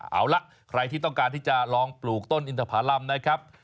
เอาล่ะใครที่ต้องการที่จะลองปลูกต้นอินทภารำนะครับ